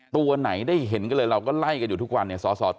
ตัวไหนได้เห็นกันเลยเราก็ไล่กันอยู่ทุกวันเนี่ย